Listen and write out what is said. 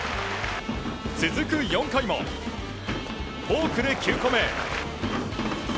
続く４回もフォークで９個目。